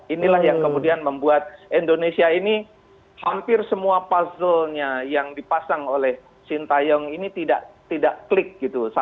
inilah yang kemudian membuat indonesia ini hampir semua puzzle nya yang dipasang oleh sintayong ini tidak klik gitu